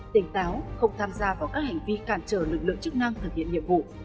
tỉnh táo không tham gia vào các hành vi cản trở lực lượng chức năng thực hiện nhiệm vụ